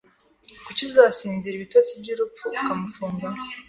Kuki uzasinzira ibitotsi byurupfu ukamufunga